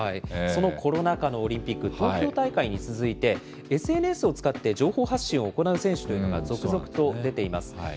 そのコロナ禍のオリンピック、東京大会に続いて、ＳＮＳを使って情報発信を行う選手というのが続々と出ています。